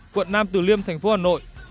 quận nam tử liêm thành phố hà nội